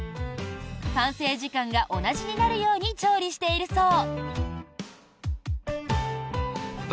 完成時間が同じになるように調理しているそう。